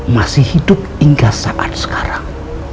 masih hidup hingga saat sekarang